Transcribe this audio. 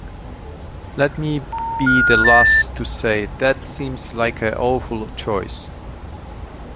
Let me be the last to say 'that seems like an awful choice.